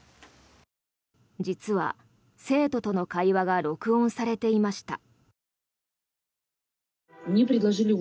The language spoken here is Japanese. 実は、生徒との会話が録音されていました。